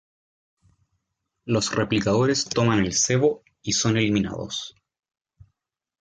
Los Replicadores toman el cebo y son eliminados.